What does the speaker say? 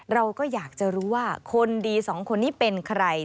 เราก็อยากจะรู้ว่าคนดีสองคนนี้เป็นใคร